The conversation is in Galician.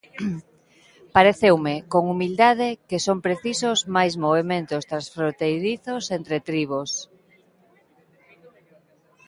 Pareceume, con humildade, que son precisos máis movementos transfronteirizos entre tribos.